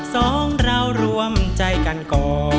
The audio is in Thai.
สองเรารวมใจกันก่อน